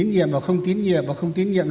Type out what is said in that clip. tín nhiệm hoặc không tín nhiệm hoặc không tín nhiệm